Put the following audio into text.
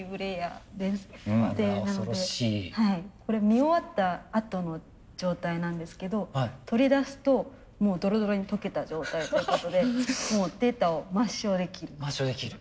見終わったあとの状態なんですけど取り出すともうドロドロに溶けた状態ということでもうデータを抹消できる。